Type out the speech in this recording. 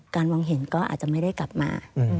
มองเห็นก็อาจจะไม่ได้กลับมา